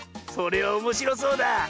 それはおもしろそうだ！